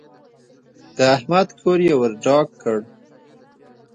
د احمد کور يې ور ډاک کړ.